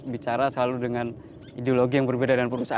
bicara selalu dengan ideologi yang berbeda dengan perusahaan